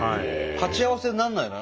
鉢合わせになんないの？